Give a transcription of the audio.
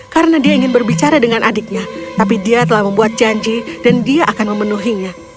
karena dia ingin berbicara dengan adiknya tapi dia telah membuat janji dan dia akan memenuhinya